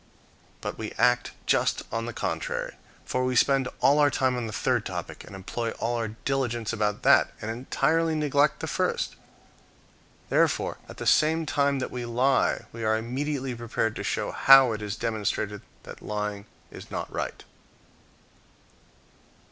But we act just on the contrary. For we spend all our time on the third topic, and employ all our diligence about that, and entirely neglect the first. Therefore, at the same time that we lie, we are immediately prepared to show how it is demonstrated that lying is not right.